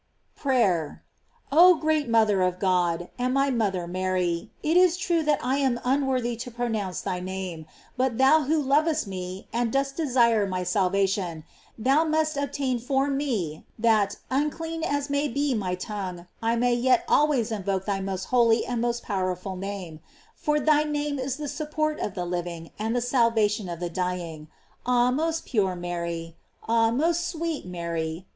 PRAYER. Oh great mother of God, and my mother Mary, it is true that I am unworthy to pro nounce thy name, but thou who lovest me, and dost desire my salvation, thou must obtain for me, that, unclean as maybe my tongue, I may yet always invoke thy most holy and most powerful name; for thy name is the support of the living, and the salvation of the dying. Ah, most pure Mary! ah, most sweet Mary!